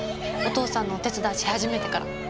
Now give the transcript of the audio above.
お父さんのお手伝いし始めてから。